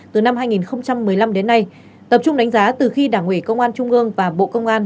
từ năm hai nghìn một mươi năm đến nay tập trung đánh giá từ khi đảng ủy công an trung ương và bộ công an